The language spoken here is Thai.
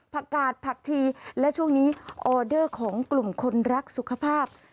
กาดผักชีและช่วงนี้ออเดอร์ของกลุ่มคนรักสุขภาพ